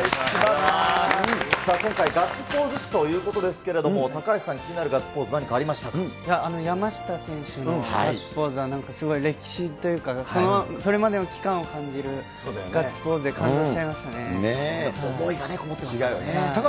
今回、ガッツポーズ史ということですけれども、高橋さん、気になるガッ山下選手のガッツポーズは、なんかすごい歴史というか、それまでの期間を感じるガッツポ思いがこもってましたね。